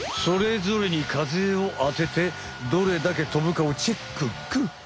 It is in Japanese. それぞれに風をあててどれだけとぶかをチェックック！